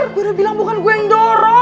aku udah bilang bukan gue yang dorong